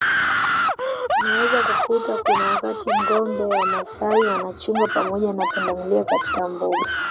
Unaweza kukuta kuna wakati ngombe wa Wamasai wanachunga pamoja na pundamilia katika Mbuga